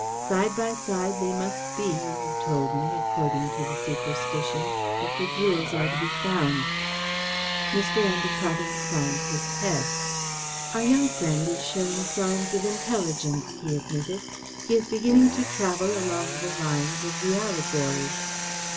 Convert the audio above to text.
Side by side they must be, you have told me, according to the superstition, if the jewels are to be found." Mr. Endacott inclined his head. "Our young friend is showing signs of intelligence," he admitted. "He is beginning to travel along the lines of the allegory."